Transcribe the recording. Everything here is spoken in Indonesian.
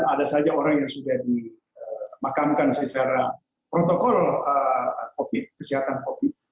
ada saja orang yang sudah dimakamkan secara protokol covid sembilan belas